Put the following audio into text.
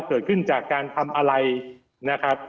เกิดขึ้นจากการทำอะไรนะครับ